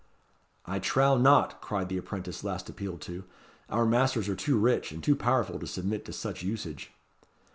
"I trow not," cried the apprentice last appealed to. "Our masters are too rich and too powerful to submit to such usage."